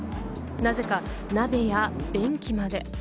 なぜか鍋や便器まで。